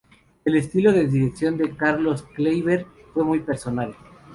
El estilo de dirección de Carlos Kleiber fue muy personal.